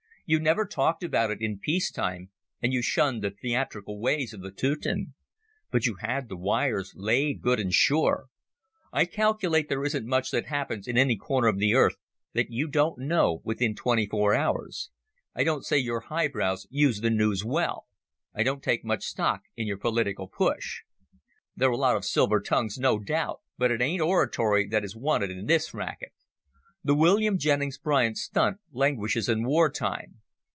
You never talked about it in peace time, and you shunned the theatrical ways of the Teuton. But you had the wires laid good and sure. I calculate there isn't much that happens in any corner of the earth that you don't know within twenty four hours. I don't say your highbrows use the noos well. I don't take much stock in your political push. They're a lot of silver tongues, no doubt, but it ain't oratory that is wanted in this racket. The William Jennings Bryan stunt languishes in war time.